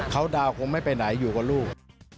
เขาดาวคงไม่ไปไหนอยู่กับลูก